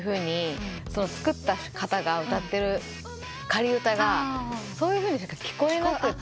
作った方が歌ってる仮歌がそういうふうにしか聞こえなくて。